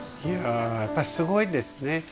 やっぱり、すごいですね。